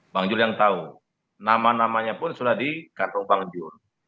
pak zul yang tahu nama namanya pun sudah di kartu pak zul